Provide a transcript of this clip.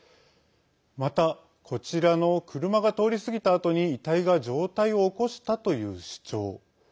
また、こちらの車が通り過ぎたあとに遺体が上体を起こしたという主張。